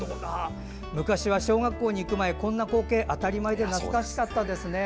昔は、小学校に行く前こんな光景当たり前で懐かしかったですね。